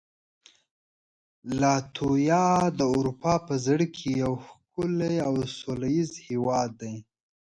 لاتویا د اروپا په زړه کې یو ښکلی او سولهییز هېواد دی.